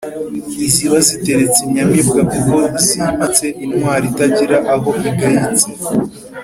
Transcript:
iziba ziteretse inyamibwa: kuko zimitse intwari itagira aho igayitse